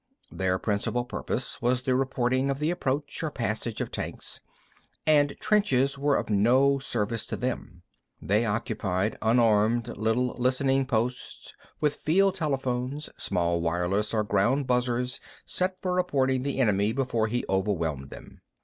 Their principal purpose was the reporting of the approach or passage of tanks, and trenches were of no service to them. They occupied unarmed little listening posts with field telephones, small wireless or ground buzzer sets for reporting the enemy before he overwhelmed them.